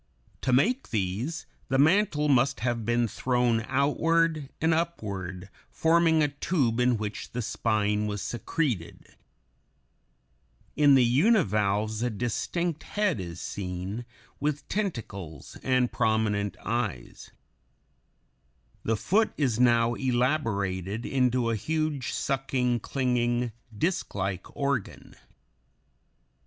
To make these, the mantle must have been thrown outward and upward, forming a tube in which the spine was secreted. [Illustration: FIG. 95. Section of a univalve.] In the univalves a distinct head is seen (Fig. 98) with tentacles and prominent eyes. The foot is now elaborated into a huge sucking, clinging, disklike organ.